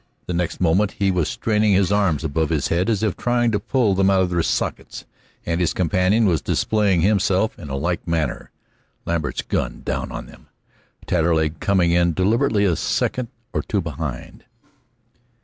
The next moment he was straining his arms above his head as if trying to pull them out of their sockets, and his companion was displaying himself in like manner, Lambert's gun down on them, Taterleg coming in deliberately a second or two behind.